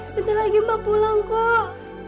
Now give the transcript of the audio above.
bentar lagi mbak pulang kok